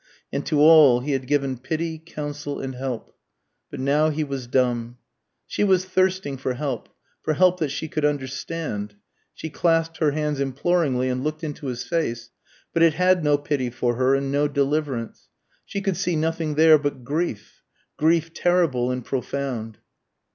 And to all he had given pity, counsel, and help. But now he was dumb. She was thirsting for help, for help that she could understand. She clasped her hands imploringly and looked into his face, but it had no pity for her and no deliverance. She could see nothing there but grief grief terrible and profound.